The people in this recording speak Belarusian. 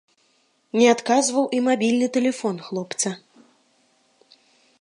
Не адказваў і мабільны тэлефон хлопца.